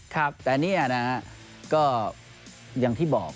ครับแต่นี่นะฮะก็อย่างที่บอก